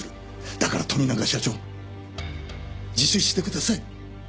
だから富永社長自首してください。